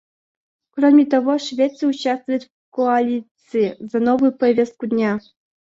Кроме того, Швеция участвует в Коалиции за новую повестку дня.